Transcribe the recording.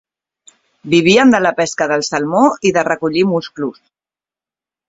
Vivien de la pesca del salmó i de recollir musclos.